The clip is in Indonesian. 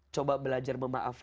coba belajar memaafkan kita